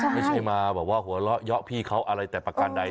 ไม่ใช่มาหัวเลาะย้อพี่เค้าอะไรแต่ปากกานใด